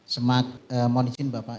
semangat mohon izin bapak